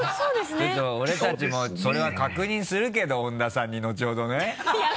ちょっと俺たちもそれは確認するけど恩田さんに後ほどね。